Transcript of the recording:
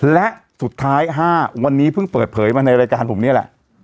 และสุดท้าย๕วันนี้เพิ่งเปิดเผยมาในรายการผมนี่แหละ